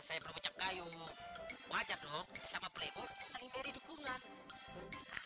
tante siapa kalinya yang enak banget nih